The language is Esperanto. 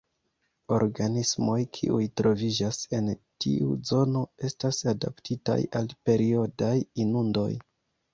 Organismoj kiuj troviĝas en tiu zono estas adaptitaj al periodaj inundoj.